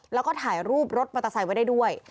แล้วก็ถ่ายรูปรถมาใส่ไว้ได้ด้วย